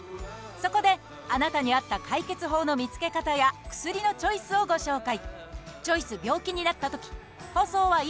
そこで、あなたに合った解決法の見つけ方や薬のチョイスをご紹介。